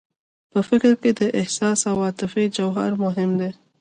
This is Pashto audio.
په فکر کې د احساس او عاطفې جوهر مهم دی